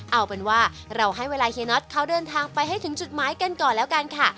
เอาเป็นว่าเราให้เวลาเฮียน็อตเขาเดินทางไปให้ถึงจุดหมายกันก่อนแล้วกันค่ะ